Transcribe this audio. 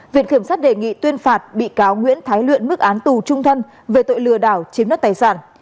viện kiểm sát đề nghị tuyên phạt bị cáo nguyễn thái luyện mức án tù trung thân về tội lừa đảo chiếm đất tài sản